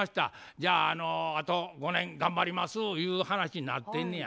じゃああと５年頑張ります」ゆう話になってんねや。